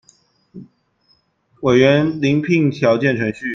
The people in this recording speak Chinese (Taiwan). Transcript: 委員遴聘條件程序